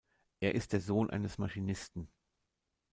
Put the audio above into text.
Er ist der Sohn eines Maschinisten.